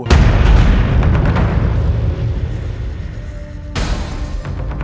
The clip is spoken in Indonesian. jabatan ketua osis ke gue